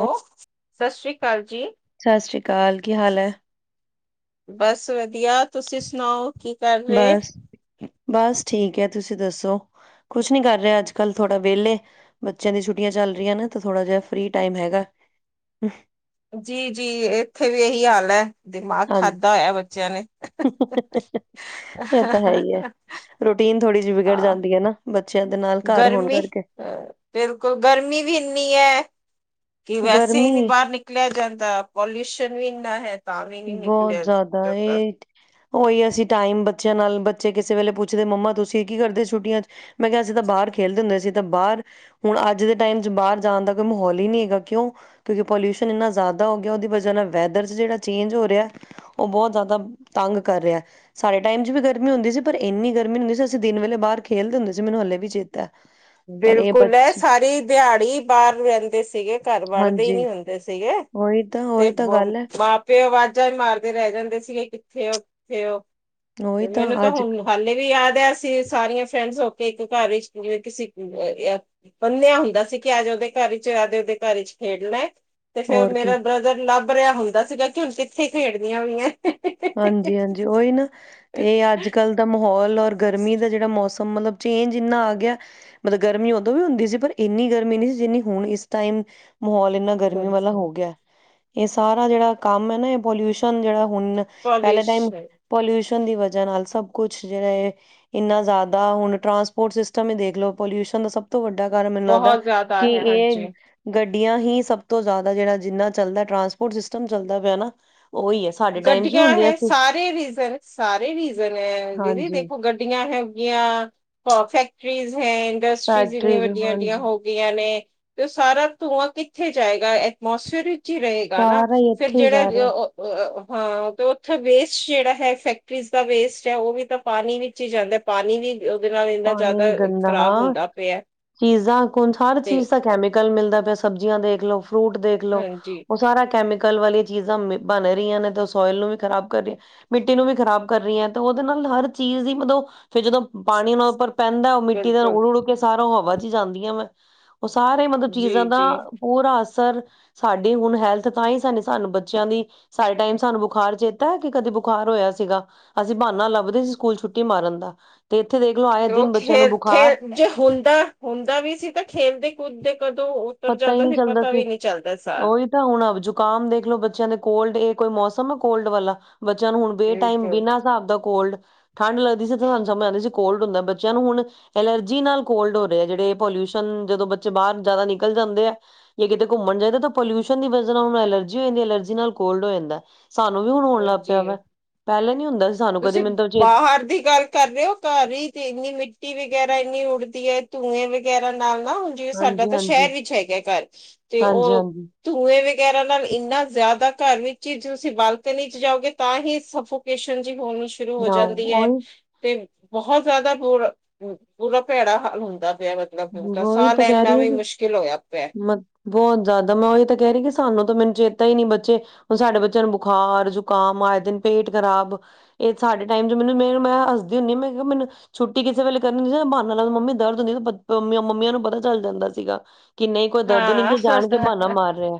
ਓ hello, ਸਸ ਰੀ ਕਾਲ ਜੀ। ਸਤਿ ਸ਼੍ਰੀ ਅਕਾਲ ਕੀ ਹਾਲ ਹੈ? ਬਸ ਵਧੀਆ, ਤੁਸੀਂ ਸੁਣਾਓ ਕੀ ਕਰ ਰਹੇ? ਬਸ ਬਸ ਠੀਕ ਹੈ ਤੁਸੀਂ ਦੱਸੋ ਕੁਛ ਨੀ ਕਰ ਰਹੇ ਅੱਜ -ਕੱਲ ਥੋੜਾ ਵੇਹਲੇ ਬੱਚਿਆਂ ਦੀ ਛੁੱਟੀਆਂ ਚੱਲ ਰਹੀਆਂ ਨਾ ਤਾਂ ਥੋੜਾ ਜਿਹਾ ਫਰੀ ਟਾਈਮ ਹੈਗਾ। ਜੀ- ਜੀ ਇੱਥੇ ਵੀ ਇਹੀ ਹਾਲ ਹੈ। ਦਿਮਾਗ ਹਾਂਜੀ ਖਾਧਾ ਹੋਇਆ ਬੱਚਿਆਂ ਨੇ। ਇਹ ਤਾਂ ਹੈ ਹੀ ਹੈ ਰੋਟੀ ਥੋੜੀ ਜਿਹੀ ਵਿਗੜ ਹਾਂ ਜਾਂਦੀ ਨਾ ਬੱਚਿਆਂ ਘਰ ਹੋਣ ਗਰਮੀ ਕਰਕੇ ਬਿਲਕੁਲ ਗਰਮੀ ਵੀ ਇੰਨੀ ਹੈ। ਕਿ ਵੈਸੇ ਹੀ ਨੀ ਗਰਮੀ ਬਾਹਰ ਨਿਕਲਿਆ ਜਾਂਦਾ, ਪੋਲਿਊਸ਼ਨ ਵੀ ਇੰਨਾ ਹੈ। ਤਾਂ ਵੀ ਨਹੀਂ ਬਹੁਤ ਨਿਕਲਿਆ ਜ਼ਿਆਦਾ ਏ ਜਾਂਦਾ। ਉਹੀ ਅਸੀਂ ਟਾਈਮ ਬੱਚਿਆਂ ਨਾਲ ਬੱਚੇ ਕਿਸੇ ਵੇਲੇ ਪੁੱਛਦੇ ਮੰਮਾ ਤੁਸੀਂ ਕੀ ਕਰਦੇ ਛੁੱਟੀਆਂ ਚ ਮੈਂ ਕਿਹਾ ਅਸੀਂ ਤਾਂ ਬਾਹਰ ਖੇਲਦੇ ਹੁੰਦੇ ਸੀ, ਤਾਂ ਬਾਹਰ ਹੁਣ ਅੱਜ ਦੇ ਟਾਈਮ ਚ ਬਾਹਰ ਜਾਣ ਦਾ ਕੋਈ ਮਾਹੌਲ ਹੀ ਨਹੀਂ ਹੈਗਾ ਕਿਉਂ ਕਿਉਂਕਿ ਪੋਲਿਊਸ਼ਨ ਇੰਨਾ ਜ਼ਿਆਦਾ ਹੋ ਗਿਆ, ਉਹਦੀ ਵਜ੍ਹਾ ਨਾਲ ਵੈਦਰ ਚ ਜਿਹੜਾ ਚੇਂਜ ਹੋ ਰਿਹਾ ਉਹ ਬਹੁਤ ਜ਼ਿਆਦਾ ਤੰਗ ਕਰ ਰਿਹਾ ਸਾਡੇ ਟਾਈਮ ਚ ਵੀ ਗਰਮੀ ਹੁੰਦੀ ਸੀ, ਪਰ ਇੰਨੀ ਗਰਮੀ ਨੀ ਹੁੰਦੀ ਸੀ ਅਸੀਂ ਦਿਨ ਵੇਲੇ ਬਾਹਰ ਖੇਲਦੇ ਹੁੰਦੇ ਸੀ ਮੈਨੂੰ ਹਲੇ ਵੀ ਚੇਤਾ। ਪਰ ਇਹ ਬਿਲਕੁਲ ਬੱਚੇ ਸਾਰੀ ਦਿਹਾੜੀ ਬਾਹਰ ਰਹਿੰਦੇ ਸੀਗੇ, ਘਰ ਵੜਦੇ ਹੀ ਹਾਂਜੀ ਨਹੀਂ ਹੁੰਦੇ ਸੀਗੇ ਉਹੀ ਤਾਂ ਤੇ ਉਹੀ ਤਾਂ ਗੱਲ ਹੈ ਮਾਂ ਪਿਓ ਆਵਾ ਜਾਂ ਮਾਰਦੇ ਰਹਿ ਜਾਂਦੇ ਸੀਗੇ ਕਿੱਥੇ ਓ ਕਿੱਥੇ ਓ ਉਹੀ ਤੇ ਮੈਨੂੰ ਤਾਂ ਅੱਜ ਹੁਣ ਹਾਲੇ ਵੀ ਯਾਦ ਹੈ, ਅਸੀਂ ਸਾਰੀਆਂ ਫਰੈਂਡਜ਼ ਤੇ ਇੱਕ ਘਰ ਵਿੱਚ ਜਿਵੇਂ ਕਿਸੀ ਹੈਗੇ ਆ ਬੰਨ੍ਹਿਆ ਹੁੰਦਾ ਸੀ ਕਿ ਅੱਜ ਉਹਦੇ ਘਰ ਚ ਅਜ ਉਹਦੇ ਘਰ ਚ ਖੇਡਣਾ ਤੇ ਫੇਰ ਹੋਰ ਕੀ ਮੇਰਾ ਬ੍ਰਦਰ ਲੱਭ ਭਰਿਆ ਹੁੰਦਾ ਸੀਗਾ ਕਿ ਹੁਣ ਕਿੱਥੇ ਖੇਡਦੀਆਂ ਹੋਈਆਂ ਹਾਂਜੀ-ਹਾਂਜੀ ਉਹੀ ਨਾ ਤੇ ਅੱਜ-ਕੱਲ ਦਾ ਮਾਹੌਲ ਔਰ ਗਰਮੀ ਦਾ ਜਿਹੜਾ ਮੌਸਮ ਮਤਲਬ ਚੇਂਜ ਇੰਨਾ ਆ ਗਿਆ ਮਤਲਬ ਗਰਮੀ ਉਦੋਂ ਵੀ ਹੁੰਦੀ ਸੀ। ਪਰ ਇੰਨੀ ਗਰਮੀ ਨਹੀਂ ਸੀ ਜਿੰਨੀ ਹੁਣ ਇਸ ਟਾਈਮ ਮਾਹੌਲ ਇੰਨਾ ਗਰਮੀ ਵਾਲਾ ਬਿਲਕੁਲ ਹੋ ਗਿਆ ਇਹ ਸਾਰਾ ਜਿਹੜਾ ਕੰਮ ਹੈ ਨਾ ਇਹ ਪੋਲਿਊਸ਼ਨ ਜਿਹੜਾ ਹੁਣ ਪਹਿਲੇ ਪੋਲਿਸ਼ ਟਾਈਮ ਪੋਲਿਊਸ਼ਨ ਦੀ ਵਜ੍ਹਾ ਨਾਲ ਸਭ ਕੁਛ ਜਿਹੜਾ ਹੈ ਇੰਨਾ ਜ਼ਿਆਦਾ ਹੁਣ ਟਰਾਂਸਪੋਰਟ ਸਿਸਟਮ ਹੀ ਦੇਖ ਲਓ ਪੋਲਿਊਸ਼ਨ ਦਾ ਸਭ ਤੋਂ ਵੱਡਾ ਕਾਰਨ ਮੈਨੂੰ ਲੱਗਦਾ ਬਹੁਤ ਜ਼ਿਆਦਾ ਕਿ ਹੈ ਇਹ ਗ ਹਾਂਜੀ ਗੱਡੀਆਂ ਹੀ ਸਭ ਤੋਂ ਜ਼ਿਆਦਾ ਜਿਹੜਾ ਜਿੰਨਾ ਚੱਲਦਾ ਟਰਾਂਸਪੋਰਟ ਸਿਸਟਮ ਚੱਲਦਾ ਪਿਆ ਨਾ ਉਹੀ ਹੈ। ਸਾਡੇ ਟਾਈਮ ਚ ਵੀ ਗੱਡੀਆਂ ਹੁੰਦੀਆਂ ਹੈ ਸੀ। ਸਾਰੇ ਰੀਜ਼ਨ ਸਾਰੇ ਰੀਜ਼ਨ ਹੈ ਦੀਦੀ ਹਾਂਜੀ ਦੇਖੋ ਗੱਡੀਆਂ ਹੈਗੀਆਂ ਫੈਕ [unintelligible] ਫੀ [inaudible] ਹੈ ਇੰਡਸਟਰੀਜ਼ ਇੰਨੀਆਂ ਫੈਕਟਰੀਜ਼ ਵੱਡੀਆਂ ਵੱਡੀਆਂ ਹਾਂਜੀ ਹੋ ਗਈਆਂ ਨੇ। ਤੇ ਉਹ ਸਾਰਾ ਧੂੰਆਂ ਕਿੱਥੇ ਜਾਏਗਾ ਐਟਮੋਸਫੇਅਰ ਹੀ ਰਹੇਗਾ ਨਾ ਸਾਰਾ ਹੀ ਫੇਰ ਇੱਥੇ ਹੀ ਜਿਹੜਾ ਜਾ ਰਿਹਾ [unintelligible] ਹਾਂ ਤੇ ਉੱਥੇ ਵੇਸਟ ਜਿਹੜਾ ਹੈ ਫੈਕਟਰੀਜ਼ ਦਾ ਵੇਸਟ ਹੈ ਉਹ ਵੀ ਤਾਂ ਪਾਣੀ ਵਿੱਚ ਹੀ ਜਾਂਦਾ ਪਾਣੀ ਵੀ। ਉਹਦੇ ਨਾਲ ਇੰਨਾ ਪਾਣੀ ਜ਼ਿਆਦਾ ਵੀ ਗੰਦਾ ਖਰਾਬ ਹਾਂ ਹੁੰਦਾ ਪਿਆ ਹੈ। ਚੀਜ਼ਾਂ ਕੋਣ ਹਰ ਤੇ ਚੀਜ਼ ਦਾ ਕੈਮੀਕਲ ਮਿਲਦਾ ਪਿਆ ਸਬਜ਼ੀਆਂ ਦੇਖ ਲਓ। ਫਰੂਟ ਦੇਖਲੋ ਹਾਂਜੀ ਉਹ ਸਾਰਾ ਕੈਮੀ ਕੱਲ ਵਾਲੀਆਂ ਚੀਜ਼ਾਂ ਬਣ ਰਹੀਆਂ ਨੇ ਤਾਂ ਸੋਇਲ ਨੂੰ ਵੀ ਖ਼ਰਾਬ ਕਰ ਰਹੀਆਂ, ਮਿੱਟੀ ਨੂੰ ਵੀ ਖਰਾਬ ਕਰ ਰਹੀਆਂ ਤੇ ਉਹਦੇ ਨਾਲ ਹਰ ਚੀਜ਼ ਹੀ ਮਤਲਬ ਫਿਰ ਜਦੋਂ ਪਾਣੀ ਉੱਪਰ ਪੈਂਦਾ ਉਹ ਮਿੱਟੀ ਦਾ ਨਾਲ ਬਿਲਕੁਲ ਉੜ ਉੜ ਕੇ ਸਾਰਾ ਓ ਹਵਾ ਚ ਜਾਂਦੀ ਹ ਮੈਂ ਉਹ ਸਾਰੇ ਮਤਲਬ ਜੀ ਚੀਜ਼ਾਂ ਦਾ ਜੀ ਪੂਰਾ ਸਰ ਸਾਡੀ ਹੁਣ ਹੈਲਥ ਤਾਂ ਹੀ ਸਾਨ ਸਾਨੂੰ ਬੱਚਿਆਂ ਦੀ ਸਾਰੇ ਟਾਈਮ ਸਾਨੂੰ ਬੁਖਾਰ ਚੇਤਾ ਹੈ ਕਿ ਕਦੇ ਬੁਖਾਰ ਹੋਇਆ ਸੀਗਾ ਅਸੀਂ ਬਹਾਨਾ ਲੱਭਦੇ ਸੀ ਸਕੂਲ ਛੁੱਟੀ ਮਾਰਨ ਦਾ ਤੇ ਇੱਥੇ ਦੇਖਲੋ ਆਏ ਉਹ ਦਿਨ ਖੇ ਬੱਚਿਆਂ ਨੂੰ ਖੇ ਬੁਖਾਰ ਜੇ ਹੁੰਦਾ ਹੁੰਦਾ ਵੀ ਸੀ ਤਾਂ ਖੇਲਦੇ ਕੂਦਦੇ ਕਦੋਂ ਉਤਰ ਪਤਾ ਹੀ ਜਾਂਦਾ ਨਹੀ ਚੱਲਦਾ ਪਤਾ ਸੀ ਵੀ ਨਹੀਂ ਚੱਲਦਾ ਸਾਹ ਓਹੀ ਤਾਂ ਹੁਣ ਜ਼ੁਕਾਮ ਦੇਖਲੋ ਬੱਚਿਆਂ ਦੇ ਕੋਲਡ ਇਹ ਕੋਈ ਮੌਸਮ ਹੈ ਕੋਲਡ ਵਾਲਾ ਬੱਚਿਆਂ ਨੂੰ ਹੁਣ ਬੇ ਟਾਈਮ ਬਿਲਕੁਲ ਬਿਨਾਂ ਹਿਸਾਬ ਦਾ ਕੋਲਡ ਠੰਡ ਲੱਗਦੀ ਸੀ ਤੇ ਸਾਨੂੰ ਸਮਝ ਆਉਂਦੀ ਸੀ ਕੋਲਡ ਹੁੰਦਾ ਬੱਚਿਆਂ ਨੂੰ ਹੁਣ ਐਲਰਜੀ ਨਾਲ ਕੋਲਡ ਹੋ ਰਿਹਾ ਹੈ ਜਿਹੜੇ ਪੋਲਿਊਸ਼ਨ ਜਦੋਂ ਬੱਚੇ ਬਾਹਰ ਜ਼ਿਆਦਾ ਨਿਕ ਨਿਕਲ ਜਾਂਦੇ ਆ ਜਾ ਕਿਤੇ ਘੁੰਮਣ ਜਾਈਦਾ ਤਾਂ ਪੋਲਿਊਸ਼ਨ ਦੀ ਵਜ੍ਹਾ ਨਾਲ ਐਲਰਜੀ ਹੋ ਜਾਂਦੀ ਐਲਰਜੀ ਨਾਲ ਕੋਲਡ ਹੋ ਜਾਂਦਾ ਸਾਨੂੰ ਵੀ ਹੁਣ ਹੋਣ ਲੱਗ ਪਿਆ ਹਾਂਜੀ ਵਾ ਪਹਿਲੇ ਨੀ ਹੁੰਦਾ ਸੀ ਸਾਨੂੰ ਕਦੇ ਤੁਸੀਂ ਮੈਨੂੰ ਤਾਂ ਚੇਤ ਬਾਹਰ ਦੀ ਗੱਲ ਕਰ ਰਹੇ ਹੋ ਘਰ ਹੀ ਤੇ ਇੰਨੀ ਮਿੱਟੀ ਵਗੈਰਾ ਇੰਨੀ ਦੀ ਹੈ ਧੂੰਏ ਵਗੈਰਾ ਨਾਲ ਨਾ ਹੁਣ ਜਿਵੇਂ ਸਾਡਾ ਹਾਂਜੀ ਤਾਂ ਹਾਂਜੀ ਸ਼ਹਿਰ ਵਿੱਚ ਹੈਗਾ ਘਰ ਤੇ ਹਾਂਜੀ ਉਹ ਹਾਂਜੀ ਧੂੰਏ ਵੀ ਵਗੈਰਾ ਨਾਲ ਇੰਨਾ ਜ਼ਿਆਦਾ ਘਰ ਵਿੱਚ ਹੀ ਤੁਸੀਂ ਬਾਲ ਨਹੀਂ ਜਾਓਗੇ ਤਾਂ ਹੀ ਸਫੋਕੇਸ਼ਨ ਹੋਣੀ ਸ਼ੁਰੂ ਹੋ ਨਾ ਜਾਂਦੀ ਹੈ ਉਹੀ ਤੇ ਬਹੁਤ ਜ਼ਿਆਦਾ ਬੁਰਾ ਬੁਰਾ ਭੈੜਾ ਹਾਲ ਹੁੰਦਾ ਪਿਆ ਮਤਲਬ ਹੁਣ ਉਹੀ ਸਾਹ ਤਾਂ ਕਹਿ ਲੈਣਾ ਰਹੀ ਵੀ ਜੀ ਮੁਸ਼ਕਿਲ ਹੋਇਆ ਪਿਆ। ਮੈਂ ਬਹੁਤ ਜ਼ਿਆਦਾ ਮੈਂ ਉਹੀ ਤਾਂ ਕਹਿ ਰਹੀ ਸਾਨੂੰ ਤਾਂ ਮੈਨੂੰ ਜੇ ਪਤਾ ਹੀ ਨੀ ਬੱਚੇ ਹੁਣ ਸਾਡੇ ਬੱਚਿਆਂ ਨੂੰ ਬੁਖਾਰ ਜ਼ੁਕਾਮ ਆਏ ਦਿਨ ਪੇਟ ਖ਼ਰਾਬ ਇਹ ਸਾਡੇ ਟਾਈਮ ਚ ਮੈਨੂੰ ਮ ਮੈਂ ਹੱਸਦੀ ਹੁੰਦੀ ਆ ਮੈਂ ਮੈਨੂੰ ਛੁੱਟੀ ਕਿਸੇ ਵੇਲੇ ਕਰਨੀ ਹੁੰਦੀ ਨਾ ਬਹਾਨਾ ਲਾਓ ਮੰਮੀ ਦਰਦ ਨੀ ਹੁੰਦੀ ਮੰਮੀਆਂ ਨੂੰ ਪਤਾ ਚੱਲ ਜਾਂਦਾ ਸੀਗਾ ਕਿੰ ਨਹੀਂ ਕੋਈ ਦਰਦ ਨਹੀਂ ਕਿ ਜਾਣ ਕੇ ਬਹਾਨਾ ਹਾਂ ਮਾਰ ਰਿਹਾ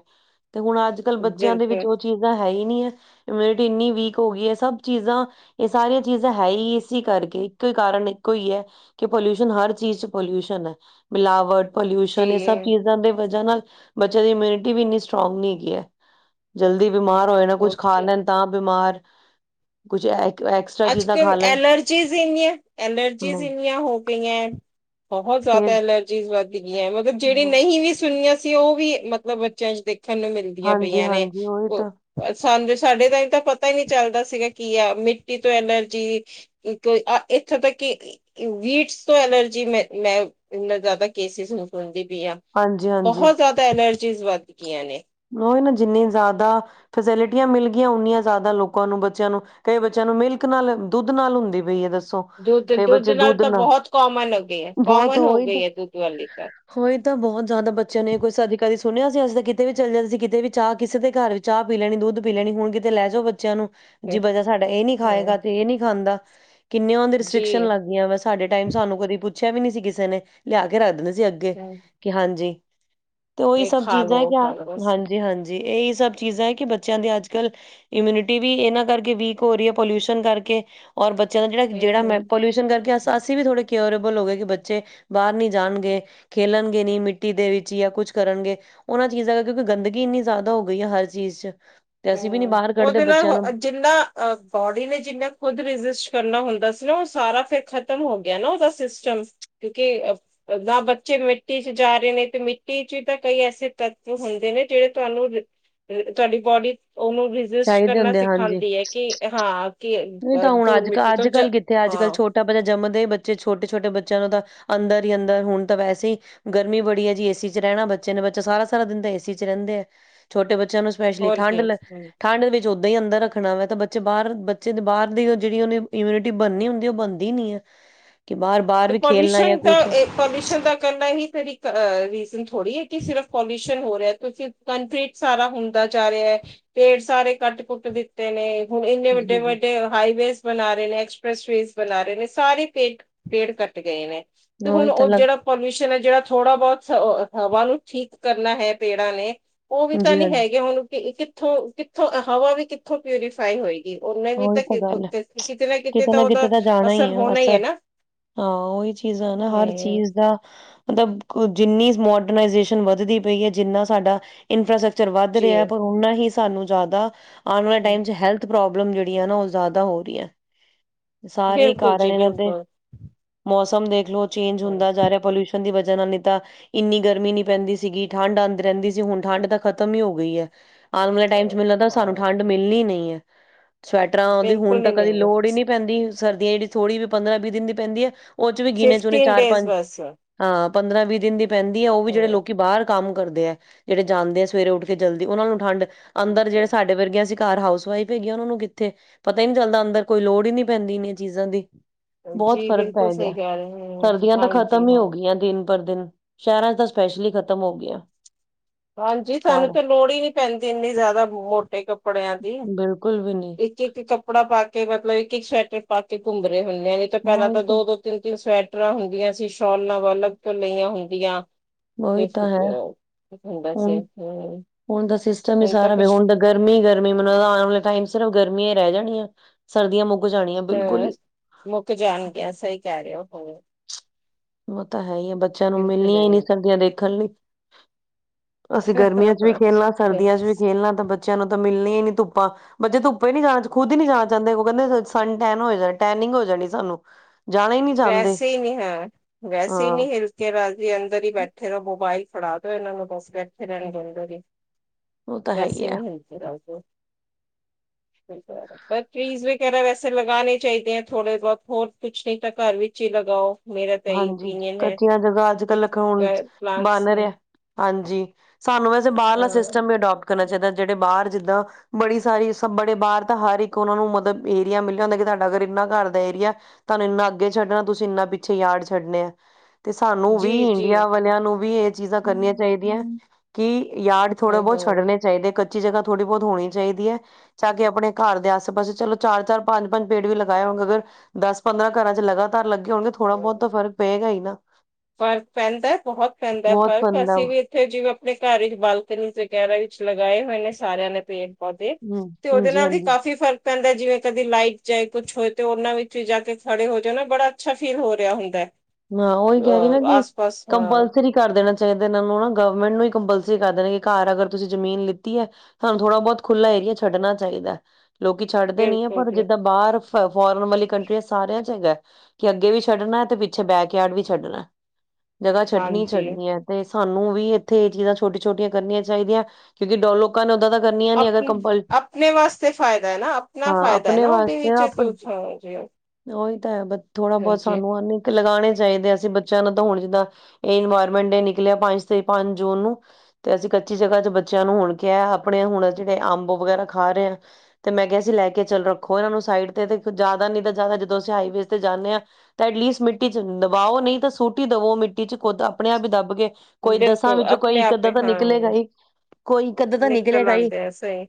ਤੇ ਹੁਣ ਅੱਜ ਕੱਲ੍ਹ ਬੱਚਿਆਂ ਦੇ ਵਿੱਚ ਬਿਲਕੁਲ ਉਹ ਚੀਜ਼ਾਂ ਹੈ ਹੀ ਨਹੀਂ ਹੈ ਇਮਿਊਨਿਟੀ ਇੰਨੀ ਵੀਕ ਹੋ ਗਈ ਹੈ ਸਭ ਚੀਜ਼ਾਂ ਇਹ ਸਾਰੀਆਂ ਚੀਜ਼ਾਂ ਹੈ ਹੀ ਏ ਸੀ ਕਰਕੇ ਇੱਕੋ ਹੀ ਕਾਰਨ ਇੱਕੋ ਹੀ ਹੈ ਕਿ ਪੋਲਿਊਸ਼ਨ ਹਰ ਚੀਜ਼ ਚ ਪੋਲਊ ਮਿਲਾਵਟ ਜੀ ਪੋਲਿਊਸ਼ਨ ਇਹ ਸਭ ਚੀਜ਼ਾਂ ਦੇ ਵਜ੍ਹਾ ਨਾਲ ਬੱਚਿਆਂ ਦੀ ਇਮਿਊਨਿਟੀ ਵੀ ਇੰਨੀ ਸਟਰੋਂਗ ਨਹੀਂ ਹੈਗੀ ਹੈ ਜਲਦੀ ਬਿਮਾਰ ਹੋਏ ਨਾ ਕੁੱਝ ਹੋਰ ਖਾ ਕੀ ਲੈਣ ਤਾਂ ਬਿਮਾਰ ਕੁੱਝ ਅੱਜ ਕੱਲ ਐਲਰਜੀਜ਼ ਇੰਨੀਆਂ ਐਲਰਜੀਜ਼ ਨਹੀਂ ਇੰਨੀਆਂ ਹੋ ਗਈਆਂ ਹੈ ਬਹੁਤ ਫੇਰ ਜ਼ਿਆਦਾ ਐਲਰਜੀਜ਼ ਵਧ ਗਈਆਂ ਮਤਲਬ ਜਿਹੜੀਆਂ ਨਹੀਂ ਵੀ ਸੁਣੀਆਂ ਅਸੀਂ ਉਹ ਵੀ ਮਤਲਬ ਬੱਚਿਆਂ ਚ ਦੇਖ ਖਣ ਨੂੰ ਮਿਲਦੀਆਂ ਪਈਆਂ ਨੇ ਹਾਂਜੀ-ਹਾਂਜੀ ਉਹੀ ਤਾਂ ਉਹ ਸਾਨੂੰ ਸਾਡੇ ਤਾਈ ਟਾਈਮ ਤਾਂ ਪਤਾ ਹੀ ਨਹੀਂ ਚੱਲਦਾ ਸੀਗਾ ਕੀ ਆ ਮਿੱ ਤੋਂ ਐਲਰਜੀ ਇੱਥੋਂ ਤੱਕ ਕਿ ਵੀਟਸ ਤੋਂ ਐਲਰਜੀ ਮੈਂ ਮੈਂ ਇੰਨਾ ਜ਼ਿਆਦਾ ਕੇਸਿਸ ਨੂੰ ਸੁਣਦੀ ਪਈ ਹਾਂਜੀ-ਹਾਂਜੀ ਬਹੁਤ ਜ਼ਿਆਦਾ ਐਲਰਜੀ ਚੀਜ਼ ਵੱਧ ਗਈਆਂ ਨੇ ਉਹ ਨਾ ਜਿੰਨੀ ਜ਼ਿਆਦਾ ਫੈਸਿਲਿਟੀਆਂ ਮਿਲ ਗਈਆਂ ਉਨੀਆਂ ਜ਼ਿਆਦਾ ਲੋਕਾਂ ਨੂੰ ਬੱਚਿਆਂ ਨੂੰ ਕਈ ਬੱਚਿਆਂ ਨੂੰ ਮਿਲਕ ਨਾਲ ਦੁੱਧ ਨਾਲ ਹੁੰਦੀ ਪਈ ਹੈ ਦੱਸ ਸੋ ਦੁੱਧ ਕਈ ਬੱਚੇ ਨਾਲ ਦੁੱਧ ਤਾਂ ਨਾ ਬਹੁਤ ਕਾਮਨ ਹੋ ਗਈ ਹੈ ਬਹੁਤ ਕਾਮਨ ਹੋ ਓਹੀ ਤਾਂ ਗਈ ਹੈ ਦੁੱਧ ਵਾਲੀ ਤਾਂ ਉਹੀ ਤਾਂ ਬਹੁਤ ਜ਼ਿਆਦਾ ਬੱਚਿਆਂ ਨੇ ਕੁੱਛ [unintelligible] ਸੁਣਿਆ ਸੀ ਅਸੀਂ ਤਾਂ ਕਿਤੇ ਵੀ ਚੱਲ ਜਾਂਦਾ ਸੀ ਕਿਤੇ ਵੀ ਚਾਹ ਕਿਸੇ ਦੇ ਘਰ ਵੀ ਚਾਹ ਪੀ ਲੈਣੀ ਦੁੱਧ ਪੀ ਲੈਣੀ ਹੁਣ ਕਿਤੇ ਲੈ ਜਾਓ ਬੱਚਿਆਂ ਨੂੰ ਹਮ ਜੀ ਬੱਚਾ ਸਾਡਾ ਇਹ ਨੀ ਖਾਏਗਾ ਹਮ, ਤੇ ਇਹ ਨੀ ਖਾਂਦਾ ਕਿੰਨੇ [unintelligible] ਰਿਸ੍ਰਿਕਕਸ਼ਨ ਜੀ ਲੱਗਆਂ ਵੈਂ ਸਾਡੇ ਟਾਈਮ ਸਾਨੂੰ ਕਦੀ ਪੁਚ ਪੁੱਛਿਆ ਵੀ ਨਹੀਂ ਸੀ ਕਿਸੇ ਨੇ ਲਿਆ ਕੇ ਰੱਖ ਦਿੰਦੇ ਸੀ ਅੱਗੇ ਹੂੰ, ਕਿ ਹਾਂਜੀ ਤੇ, ਉਹੀ ਇਹ ਸਭ ਖਾ ਚੀਜ਼ ਦਾ ਲੋ ਕਿਆ ਖਾ ਲੋ ਬਸ ਹਾਂਜੀ-ਹਾਂਜੀ। ਇਹੀ ਸਭ ਚੀਜ਼ ਹੈ ਕਿ, ਬੱਚਿਆਂ ਦੀ ਅੱਜ- ਕੱਲ੍ਹ ਇਮਿਊਨਿਟੀ ਵੀ ਇਹਨਾਂ ਕਰਕੇ ਵੀਕ ਹੋ ਰਹੀ ਹੈ, ਪੋਲਿਊਸ਼ਨ ਕਰਕੇ ਔਰ ਬ ਜਿਹੜਾ- ਜਿਹੜਾ ਮੈਂ ਹੂੰ-ਹੂੰ 'ਪੋਲਿਊਸ਼ਨ'ਕਰਕੇ ਅਸੀਂ ਵੀ ਥੋੜੇ [unintelligible] ਓਬਲ ਹੋਗੇ ਕਿ ਬੱਚੇ ਬਾਹਰ ਨੀ ਜਾਣਗੇ, ਖੇਲਣਗੇ ਨਹੀ ਮਿੱਟੀ ਦੇ ਵਿੱਚ ਜਾਂ, ਕੁੱਛ ਕਰਨਗੇ ਉਹਨਾਂ ਚੀਜ਼ਾਂ ਕਿਉਂਕਿ ਗੰਦਗੀ ਇੰਨੀ ਜ਼ਿਆਦਾ ਹੋ ਗਈ ਆ, ਹਰ ਚੀਜ਼'ਚ ਹੂੰ, ਉਹਦੇ ਨਾਲ ਜਿੰਨਾ ਅ ਬੋਡੀ ਨੇ ਜਿੰਨਾ ਖੁਦ ਰਜਿਸਟ ਕਰਨਾ ਹੁੰਦਾ ਸੀ ਨਾ, ਉਹ ਸਾਰਾ ਫਿਰ ਖ਼ਤਮ ਹੋ ਗਿਆ ਨਾ ਉਹਦਾ ਸਿਸਟਮ, ਕਿਉਂਕਿ ਨਾ ਬੱਚੇ ਮਿੱਟੀ'ਚ ਜਾ ਰਹੇ ਨੇ, ਤੇ ਮਿੱਟੀ'ਚ ਤਾਂ ਕਈ ਐਸੇ ਤੱਤਵ ਹੁੰਦੇ ਨੇ, ਜਿਹੜੇ ਤੁਹਾਨੂੰ ਤੁਹਾਡੀ ਬੋਡੀ ਉਹਨੂੰ ਰਜਿਸਟ ਚਾਹੀਦੇ ਕਰਨਾ ਹੁੰਦੇ ਹਾਂਜੀ ਸਿਖਾਂਦੀ ਹੈ, ਕਿ ਹਾਂ, ਕਿ ਨਹੀਂ ਅ, ਤਾਂ, ਹੁਣ ਤੂੰ ਅੱਜ ਮਿੱਟੀ ਤੋਂ ਜ ਅੱਜ-ਕੱਲ ਕਿੱਥੇ ਅੱਜ ਕੱਲ੍ਹ ਹਾਂ ਛੋਟਾ ਬੱਚਾ ਜਮਦੇ ਹੀ, ਬੱਚੇ ਛੋਟੇ-ਛੋਟੇ, ਬੱਚੇ ਚਲੋ, ਓਦਾ ਬੱਚਿਆਂ ਨੂੰ ਤਾਂ ਅੰਦਰ ਹੀ ਅੰਦਰ ਹੁਣ ਤਾਂ, ਵੈਸੇ ਹੀ ਗਰਮੀ ਬੜੀ ਹੈਜੀ। ਏਸੀ'ਚ ਰਹਿਣਾ ਬੱਚੇ ਨੇ, ਬੱਚਾ ਸਾਰਾ- ਸਾਰਾ ਦਿਨ ਤਾਂ ਏਸੀ'ਚ ਰਹਿੰਦੇ ਆ ਛੋਟੇ ਬੱਚੇ ਬੱਚਿਆਂ ਨੂੰ ਸਪੈਸ਼ਲੀ! ਹੋਰ ਠੰਡ- ਕੀ ਠੰਡ ਵਿੱਚ ਓਦਾਂ ਹੀ ਅੰਦਰ ਰੱਖਣਾ ਵ ਤਾਂ, ਬੱਚੇ ਬਾਹਰ ਬੱਚ ਬੱਚੇ ਦੇ ਬਾਹਰ ਦੀ ਉਹ ਜਿਹੀ, ਉਹ ਇਮਿਊਨਿਟੀ ਬਣਨੀ ਹੁੰਦੀ, ਉਹ ਬਣਦੀ ਨ ਨਹੀਂ ਹੈ। ਕਿ ਬਾਹਰ ਬਾਹਰ ਤੇ ਵੀ ਖੇਲਣਾ ਜਾਂ ਪੋਲਿਊਸ਼ਨ ਦਾ ਕੁਛ ਪੋਲਿਊਸ਼ਨ ਦਾ ਕਰਨਾ ਹੀ, ਤੇਰੀ ਰੀਜ਼ਨ ਥੋੜ੍ਹੀ ਹੈ। ਕਿ, ਸਿਰਫ ਪੋਲਿਊਸ਼ਨ ਹੋ ਰਿਹਾ, ਤੁਸੀਂ ਕੰਕਰੀਟ ਸਾਰਾ ਹੁੰਦਾ ਜਾ ਰਿਹਾ, ਪੇੜ ਸਾਰੇ ਕੱਟ- ਕੁੱਟ ਦਿੱਤੇ ਨੇ ਹੁਣ, ਇੰਨੇ ਵੱਡੇ ਜੀ ਜੀ -ਵੱਡੇ ਹਾਈਵੇਜ਼ ਬਣਾ ਰਹੇ ਨੇ, ਐਕਸਪ੍ਰੈਸ ਵੇਜ਼ ਬਣਾ ਰਹੇ ਨੇ, ਸਾਰੇ ਪੇਡ ਪੇੜ ਕਟ ਗਏ ਨੇ। ਤੇ, ਹੁਣ ਉਹੀ ਤਾਂ ਉਹ ਲੱਗ ਜਿਹੜਾ ਪਰਮਿਸ਼ਨ ਹੈ ਜਿਹੜਾ ਥੋੜਾ ਬਹੁਤ ਹਵਾ ਨੂੰ ਠੀਕ ਕਰਨਾ ਹੇ, ਪੇੜਾਂ ਨੇ ਉਹ ਵੀ ਤਾਂ, ਜੀ ਨੀ ਹਾਂਜੀ ਹੈਗੇ ਹੁਣ ਕਿ, ਕਿੱਥੋਂ-ਕਿੱਥੋਂ ਹਵਾ ਵੀ ਕਿੱਥੋਂ 'ਪਿਊਰੀਫਾਈ' ਹੋਏਗੀ। ਉਹਨੇ ਵੀ ਉਹੀ ਤਾਂ, ਗੱਲ ਹੈ ਕਿਤੇ ਨਾ ਕਿਤੇ ਤਾਂ, ਉਹਦਾ ਅਸਰ ਹੋਣਾ ਹੀ ਹੈ ਨਾ ਹਾਂ ਉਹੀ ਚੀਜ਼ਾਂ ਨਾ, ਹਰ ਹਮ ਚੀਜ਼ ਦਾ ਮਤਲਬ ਜਿੰਨੀ ''ਮੋਡਰਨਾਈਜੇਸ਼ਨ''ਵੱਧਦੀ ਪਈ ਹੈ, ਜਿੰਨਾ ਸਾਡਾ ਇਨਫਰਾਸਟਕਚ ਰ ਵੱਧ ਜੀ ਰਿਹਾ, ਪਰ ਉਹਨਾ ਹੀ ਸਾਨੂੰ ਜ਼ਿਆਦਾ ਆਉਣ ਵਾਲੇ ਟਾਈਮ'ਚ ਹੈਲਥ ਜਿਹੜੀਆ ਨਾ, ਉਹ ਜ਼ਿਆਦਾ ਹੋ ਰਹੀਆਂ। ਸਾਰੇ ਹੀ ਬਿਲਕੁਲ ਕਾਰਨ ਜੀ ਇਹਨਾਂ ਦੇ, ਬਿਲਕੁਲ ਮੌਸਮ ਸਮ ਦੇਖ ਲਓ। ਚੇਂਜ ਹੁੰਦਾ ਜਾ ਰਿਹਾ, 'ਪੋਲਿਊਸ਼ਨ' ਦੀ ਵਜਾ ਜਣਾ ਨਹੀਂ ਤਾਂ ਇੰਨੀ ਗਰਮੀ ਨੀ ਪੈਂਦੀ ਸੀਗੀ ਠੰਢ ਆਂਦੀ ਰਹਿੰਦੀ ਸੀ, ਹੁਣ ਠੰਡ ਤਾਂ ਖ਼ਤਮ ਹੀ ਹੋ ਗਈ ਏ। ਆਣ ਵਾਲੇ ਟਾਈਮ ਚ ਮੈਨੂੰ ਲਗਦਾ ਸਾਨੂੰ ਠੰਢ ਮਿਲਣੀ ਨਹੀਂ ਏ। ਸਵੈਟਰਾਂ ਦੀ ਹੁਣ ਬਿਲਕੁਲ ਤਾਂ ਨੀ ਕਦੀ ਮਿਲਣੀ ਲੋੜ ਹੀ ਨਹੀਂ ਪੈਂਦੀ। ਸਰਦਿਆਂ ਜਿੜੀ ਥੋੜੀ ਵੀ ਪੰਦਰਾਂ ਵੀਹ ਦਿਨ ਦੀ ਪੈਂਦੀ ਏ। ਔਚ ਵੀ ਗਿਣੇ ਚੁਣੇ ਫਿਫਟੀਨ ਚਾਰ ਡੇਜ਼ ਪੰਜ, ਬਸ ਹਾਂ। ਪੰਦਰਾਂ ਵੀਹ ਦਿਨ ਦੀ ਪੈਂਦੀ ਏ ਔ ਵੀ ਜਿਹੜੇ ਲੋਕੀ ਬਾਹਰ ਕੰਮ ਕਰਦੇ ਏ ਜਿਹੜੇ ਜਾਂਦੇ ਆ ਸਵੇਰੇ ਉੱਠ ਕੇ ਜਲਦੀ ਔਨਾਂ ਨੂੰ ਠੰਡ ਅੰਦਰ ਜਿਹੜੇ ਸਾਡੇ ਵਰਗੀਆਂ ਸੀ ਘਰ ਹਾਊਸ ਵਾਈਫ ਹੈਗੀ ਆ ਔਨਾਂ ਨੂੰ ਕੀ ਇੱਥੇ ਪਤਾ ਹੀ ਨਹੀਂ ਚੱਲਦਾ ਅੰਦਰ ਕੋਈ ਲੋੜ ਹੀ ਨਹੀਂ ਪੈਂਦੀ ਇਨੀਆਂ ਚੀਜ਼ਾਂ ਦੀ। ਬਹੁਤ ਜੀ ਫ਼ਰਕ ਪੈ ਬਿਲਕੁਲ ਸਹੀ ਗਿਆ, ਕਹਿ ਰਹੇ ਕੁਆਲੱਟੀਆਂ ਤਾਂ ਹਾਂਜੀ ਖਤਮ ਹੀ ਹਾਂ ਹੋ ਗਈਆਂ ਦਿਨ ਪਰ ਦਿਨ। ਸ਼ਹਿਰਾਂ ਚ ਤਾਂ ਸਪੈਸ਼ਲੀ ਖ਼ਤਮ ਹੋ ਗਿਆ। ਹਾਂਜੀ, ਸਾਨੂੰ ਤੇ ਲੋੜ ਹੀ ਨੀ ਪੈਂਦੀ ਇੰਨੀ ਜ਼ਿਆਦਾ ਮੋਟੇ ਕੱਪੜਿਆਂ ਦੀ। ਬਿਲਕੁਲ ਵੀ ਨਹੀਂ ਇ ਇੱਕ ਕੱਪੜਾ ਪਾ ਕੇ ਰੱਖਦਾ ਇੱਕ-ਇੱਕ ਸਵੈਟਰ ਪਾ ਕੇ ਘੁੰਮਦਾ ਤੇ ਹੁਨੇ ਆ ਨੀ ਪਹਿਲਾਂ ਉਹੀ ਤਾਂ ਤੇ ਦੋ-ਦੋ ਤਿੰਨ-ਤਿੰਨ ਸਵੈਟਰ [unintelligible] ਹੁੰਦੀਆਂ ਸੀ ਸ਼ੋਲਾਂ ਵ ਅਲੱਗ ਤੋਂ ਲਈਆਂ ਹੁੰਦੀਆਂ ਉਹੀ ਤਾਂ ਹੈ [unintelligible] ਹੁੰਦਾ ਸੀ ਹੁਣ ਹੁੰ। ਹੁਣ ਦੱਸ ਸਮਜ ਹੀ ਸਾਰਾ ਵੇ ਹੁਣ ਤਾਂ ਗਰਮੀ ਗਰਮੀ ਮੈਨੂੰ ਤ ਲਗਦੈ ਆਣ ਵਾਲੇ ਟਾਈਮ ਸਿਰਫ਼ ਗਰਮੀਆਂ ਹੀ ਰਹਿ ਜਾਣੀਆਂ। ਸਰਦੀਆਂ ਮੁਕ ਹ ਮੁੱਕ ਜਾਣਗੀਆਂ ਸਹੀ ਕਹਿ ਰਹੇ ਹੋ ਹੁੰ। ਔ ਤਾਂ ਹੈ ਹੀ ਐ। ਬੱਚਿਆਂ ਨੂੰ ਮਿਲਣੀਆਂ ਹੀ ਨਹੀਂ ਸਰਦੀਆਂ ਦੇਖਣ ਲਈ ਅਸੀਂ ਗਰਮੀਆਂ ਚ ਵੀ ਖੇਲਣਾ, ਸਰਦੀਆਂ ਚ ਵੀ ਖੇਲਣਾ ਤਾਂ ਬੱਚਿਆਂ ਨੂੰ ਤਾਂ ਮਿਲਣੀਆਂ ਹੀ ਨੀ ਧੁੱਪਾਂ ਬੱਚੇ ਧੁੱਪੇ ਨੀ ਜਾਣਾ ਖੁਦ ਹੀ ਨਹੀਂ ਜਾਣਾ ਚਾਂਦੇ ਔ ਕਹਿੰਦੇ ਅਗ ਸਨ ਟੈਨ ਹੋ ਜਾਏਗਾ ਟੈਨਿੰਗ ਹੋ ਜਾਣੀ ਸਾਨੂੰ। ਜਾਣਾ ਹੀ ਨਹੀਂ ਚਾਹੁੰਦੇ ਵੈਸੇ ਹੀ ਨਹੀਂ ਹੈ। ਵੈਸੇ ਹੀ ਹਾਂ ਨਹੀਂ ਹਿਲਕੇ ਰਾਜੀ ਅੰਦਰ ਹੀ ਬੈਠੇ ਰਹੋ ਮੋਬਾਇਲ ਫੜਾ ਦੋ ਇਹਨਾਂ ਨੂੰ ਬਸ। ਬੇਠੈ ਰਹਿਣ ਗੇ ਅੰਦਰ ਹੀ, ਉਹ ਤਾਂ ਹੈ ਵੇਸੇ ਹੈ ਹੀ ਨੀ ਹਿਲਕੇ ਰਾਜ਼ੀ। ਟ੍ਰੀਜ਼ ਵਗੈਰਾ ਵੈਸੇ ਲਗਾਣੇ ਚਾਹੀਦੇ ਏ ਥੋੜੇ ਬਹੁਤ ਹੋਰ ਕੁਛ ਨਹੀਂ। ਤਾਂ ਘਰ ਵਿੱਚ ਹੀ ਲਗਾਉ। ਹਾਂਜੀ ਕੱਚੀਆਂ ਜਗ੍ਹਾ ਅੱਜਕੱਲ੍ਹ ਲਖਾਉਣ 'ਚ ਪਲਾਂਟਸ ਬਨ ਰਿਹੈ। ਹਾਂਜੀ ਸਾਨੂੰ ਵੈਸੇ ਬਾਹਰਲਾ ਸਿਸਟਮ ਵੀ ਅਡੋਪਟ ਕਰਨਾ ਚਾਹੀਦੈ। ਜਿਹੜੇ ਬਾਹਰ ਜਿੱਦਾਂ ਬੜੀ ਸਾਰੀ ਸਭ ਬੜੇ ਬਾਹਰ ਤਾਂ ਹਰ ਇੱਕ ਉਹਨਾ ਨੂੰ ਮਤਲਬ ਏਰੀਆ ਮਿਲਿਆ ਹੁੰਦਾ ਕਿ ਤੁਹਾਡਾ ਅਗਰ ਇੰਨਾ ਘਰ ਦਾ ਏਰੀਆ, ਤੁਹਾਨੂੰ ਇੰਨਾ ਅੱਗੇ ਛੱਡਣਾ ਤੁਸੀਂ ਇੰਨਾ ਪਿ ਪਿੱਛੇ ਯਾਡ ਛੱਡਣੇ ਆ। ਤੇ ਸਾਨੂੰ ਜੀ ਵੀ ਜੀ ਇੰਡੀਆ ਵਾਲਿਆਂ ਨੂੰ ਵੀ ਇਹ ਚੀਜ਼ਾਂ ਕਰਨੀਆਂ ਚਾਹੀਦੀਆ ਕੀ ਯਾਡ ਥੋੜਾ ਹਮ ਬਹੁਤ ਛੱਡਨੇ ਚਾਹੀਦੇ ਕ ਕਚੀ ਜਗ੍ਹਾ ਥੋੜ੍ਹੀ ਬਹੁਤ ਹੋਣੀ ਚਾਹੀਦੀ ਹੈ, ਤਾਂ ਕਿ ਆਪਣੇ ਘਰ ਦੇ ਆਸੇ-ਪਾਸੇ ਚਲੋ ਚਾਰ-ਚਾਰ ਪੰਜ-ਪੰਜ ਪੇੜ ਵੀ ਲਗਾਏ ਹੋਣ ਅਗਰ ਦਸ-ਪੰਦਰਾਂ ਘਰਾਂ 'ਚ ਲਗਾਤਾਰ ਲੱਗੇ ਹੋਣ ਥੋੜਾ ਬਹੁਤ ਤਾਂ ਫਰਕ ਪਏਗਾ ਹੀ ਨਾ। ਫਰਕ ਪੈਂਦਾ ਬਹੁਤ ਪੈਂਦਾ ਬਹੁਤ ਫ਼ਰਕ ਬੰਦਾ ਅਸੀਂ ਵੀ ਇੱਥੇ ਜਿਵੇਂ ਘਰ ਵਿੱਚ ਬਾਲਕਨੀ ਵਗੈਰਾ ਵਿੱਚ ਲਗਾਏ ਹੋਏ ਨੇ ਸਾਰਿਆਂ ਨੇ ਪੇਡ। ਪੌਦੇ ਹਮ ਤੇ ਉਹਦੇ ਹਾਂਜੀ ਨਾਲ ਵੀ ਹਾਂਜੀ ਕਾਫ਼ੀ ਫਰਕ ਪੈਂਦਾ ਜਿਵੇਂ ਕਦੇ ਲਾਈਟ ਜਾਏ ਕੁਛ ਹੋਏ ਤੇ ਉਹਨਾਂ ਵਿੱਚ ਵੀ ਜਾ ਕੇ ਖੜੇ ਹੋ ਜਾ ਨਾ ਬੜਾ ਅੱਛਾ ਫੀਲ ਹੋ ਰਿਹਾ ਹੁੰਦਾ। ਹਾਂ ਉਹੀ ਕਹਿ ਰਹੀ ਨਾ ਅ ਕਿ, ਆਸ ਪਾਸ ਹਾਂ ਕੰਪਲਸਰੀ ਕਰ ਦੇਣਾ ਚਾਹੀਦਾ। ਇਹਨਾਂ ਨੂੰ ਗਵਰਮੈਂਟ ਨੂੰ ਕੰਪਲ ਤੁਸੀ ਕਰਦੇ ਨੇ ਕਿ ਘਰ ਅਗਰ ਤੁਸੀਂ ਜ਼ਮੀਨ ਲਿੱਤੀ ਏ, ਤੁਹਾਨੂੰ ਥੋੜ੍ਹਾ-ਬਹੁਤ ਖੁੱਲ੍ਹਾ ਏਰੀਆ ਛੱਡਣਾ ਚਾਹੀਦਾ। ਲੋਕੀ ਛੱਡਦੇ ਨੀ ਏ ਬਿਲਕੁਲ ਪਰ ਜੀ ਜਿੱਦਾਂ ਬਾਹਰ ਫੋਰਨ ਵਾਲੀ ਕੰਟਰੀਆ ਸਾਰਿਆਂ 'ਚ ਹੈਗਾ। ਕਿ ਅੱਗੇ ਵੀ ਛੱਡਣਾ ਤੇ ਪਿੱਛੇ ਬੈਕ ਯਾਰਡ ਵੀ ਛੱਡਣਾ। ਜਗ੍ਹਾ ਛੱਡਣੀ ਹਾਂਜੀ ਛੱਡਣੀ ਹੈ ਤੇ ਸਾਨੂੰ ਵੀ ਇੱਥੇ ਇਹ ਚੀਜ਼ਾਂ ਛੋਟੀ-ਛੋਟੀਆਂ ਕਰਨੀਆਂ ਚਾਹੀਦੀਆਂ ਕਿਉਂਕਿ ਡੋ ਲੋਕਾਂ ਨੇ ਉੱਦਾਂ ਦਾ ਆਪਣੇ ਵਾਸਤੇ ਫਾਇਦਾ ਐ ਨਾ ਆਪਣਾ ਹਾਂ ਫਾਇਦਾ ਆਪਣੇ ਨਾ ਉਹਦੇ ਵਾਸਤੇ ਵਿੱਚ ਤੁ ਜਿਓ ਦੇ ਥੋੜਾ ਬਹੁਤ ਸਾਨੂੰ ਆਨੇ ਲਗਾਣੇ ਚਾਹੀਦੇ ਅਸੀਂ ਬੱਚਿਆਂ ਨੂੰ ਤਾਂ ਹੁਣ ਜਿੱਦਾਂ, ਇਹ ਇਨਵਾਇਰਮੈਂਟ ਡੇ ਨਿਕਲਿਆ ਪੰਜ ਤੇ ਪੰਜ ਜੂਨ ਨੂੰ, ਤੇ ਅਸੀਂ ਕੱਚੀ ਜਗ੍ਹਾ 'ਚ ਬੱਚਿਆਂ ਨੂੰ ਹੁਣ ਕਿਹਾ ਆਪਣੇ ਹੁਣ ਜਿਹੜੇ ਅੰਬੋ ਵਗੈਰਾ ਖਾ ਰਹੇ ਆ, ਤੇ ਮੈਂ ਕਿਹਾ ਅਸੀਂ ਲੈ ਕੇ ਚੱਲ ਰੱਖੋ ਇਹ ਨੂੰ ਸਾਈਡ ਤੇ ਤੇ ਜ਼ਿਆਦਾ ਨੀ ਤਾਂ ਜ਼ਿਆਦਾ ਜਦੋਂ ਅਸੀਂ ਹਾਈਵੇਜ਼ ਤੇ ਜਾਨੇ ਆ, ਤੇ ਐਟਲੀਸਟ ਮਿੱਟੀ 'ਚ ਦਬਓ ਨਹੀਂ ਤਾਂ ਸੁੱਟ ਈ ਦਵੋ ਮਿੱਟੀ ਚ। ਕੁਝ ਆਪਣੇ ਆਪ ਹੀ ਦੱਬ ਕੇ ਕੋਈ ਦਸਾਂ ਬਿਲਕੁਲ ਵਿੱਚ ਕੋਈ ਆਪਣੇ ਇੱਕ ਅੱਧਾ ਆਪੇ ਤਾਂ ਹਾਂ ਨਿਕਲੇਗਾ ਹੀ। ਕੋਈ ਇੱਕ ਅੱਧਾ ਤਾਂ ਨਿਕਲ ਨਿਕਲੇਗਾ ਹੀ ਆਉਂਦੇ ਆ ਸਹੀ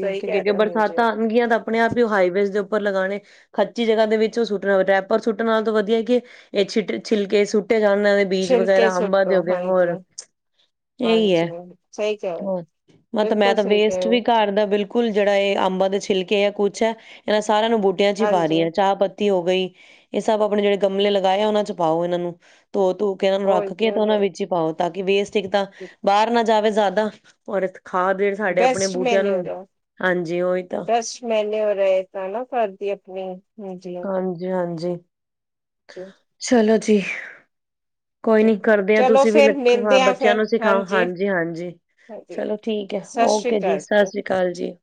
ਸਹੀ ਕਹਿ ਰਹੇ ਹੋ ਹਾਂਜੀ ਬਰਸਾਤਾਂ ਆਉਣਗੀਆਂ ਤਾਂ ਆਪਣੇ ਆਪ ਹੀ ਹਾਈਵੇਜ਼ ਦੇ ਉੱਪ ਉੱਪਰ ਲਗਾਣੇ, ਖੱਚੀ ਜਗ੍ਹਾ ਦੇ ਵਿੱਚ ਉਹ ਸੁੱਟਣਾ ਹੋਵੇ ਡਾਈਪਰ ਸੁੱਟਣ ਨਾਲੋ ਤਾਂ ਵਧੀਆ ਇਹ ਛਟ ਛਿਲਕੇ ਸੁੱਟ ਜਾਣ ਇਹਨਾਂ ਦੇ ਬੀਜ ਛਿਲਕੇ ਵਗੈਰਾ ਅੰਬਾ ਦੇ ਸੁੱਟੋ ਹੋਗੇ ਹਾਂਜੀ ਹੋਰ, ਇਹੀ ਹੈ, ਹਾਂਜੀ ਸਹੀ ਕਹਿ ਹੋਰ ਮਤ ਮੈਂ ਬਿਲਕੁਲ ਤਾਂ ਸਹੀ ਕਹਿ ਵੇਸਟ ਹੋ ਵੀ ਘਰ ਦਾ ਬਿਲਕੁਲ ਜਿਹੜਾ ਇਹ ਅੰਬਾ ਦੇ ਛਿਲਕੇ ਕਿਹਾ ਕੁੱਛ ਹੈ ਇਹਨਾਂ ਸਾਰਿਆਂ ਨੂੰ ਬੂਟਿਆਂ 'ਚ ਹੀ ਪਾ ਹਾਂਜੀ ਰਹੀ ਆ ਚਾਹ ਪੱਤੀ ਹੋ ਗਈ ਇਹ ਸਭ ਆਪਣੇ ਜਿਹੜੇ ਗਮਲੇ ਲਗਾਏ ਉਹਨਾਂ ਚ ਪਾਓ ਇਹਨਾਂ ਨੂੰ ਧੋ ਧੂ ਕੇ ਇਹਨਾਂ ਨੂੰ ਹੋਰ ਰੱਖ ਕੀ ਕੇ ਹੋ ਤੇ ਗਿਆ। ਉਹਨਾਂ ਵਿੱਚ ਈ ਪਾਓ। ਤਾਂ ਕਿ ਵੇਸ ਇਕ ਤਾਂ ਬਾਰ ਨਾ ਜਾਵੇ ਜ਼ਿਆਦਾ। ਔਰਤ ਬੈਸਟ ਮੈਨਓਰ, ਹਾਂਜੀ ਉਹੀ ਤਾਂ ਬੈਸਟ ਮੈਨਓਰ ਐ ਤਾਂ ਨਾ ਘਰ ਦੀ ਆਪਣੀ ਹਾਂਜੀ ਹਾਂ। ਹਾਂਜੀ-ਹਾਂਜੀ ਚ ਚਲੋ ਜੀ। ਕੋਈ ਨੀ ਕਰਦੇ ਆ ਚਲੋ ਤੁਸੀਂ ਵੀ ਫੇਰ ਲਿਖਵਾ ਮਿਲਦੇ ਆ ਬੱਚਿਆਂ ਫੇਰ ਨੂੰ ਸਿਖਾਓ ਹਾਂਜੀ, ਹਾਂਜੀ ਹਾਂਜੀ ਚਲੋ ਠੀਕ ਐ, ਸਤਿ ਸ੍ਰੀ ਓਕੇ ਜੀ ਅਕਾਲ ਸਤਿ ਸ੍ਰੀ ਅਕਾਲ ਜੀ।